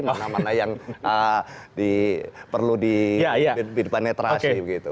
mana mana yang diperlu di penetrasi begitu